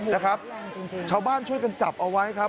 นะครับชาวบ้านช่วยกันจับเอาไว้ครับ